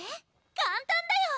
簡単だよ！